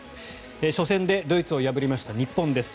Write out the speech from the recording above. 初戦でドイツを破りました日本です。